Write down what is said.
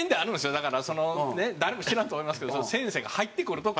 だからそのね誰も知らんと思いますけど先生が入ってくるとこから。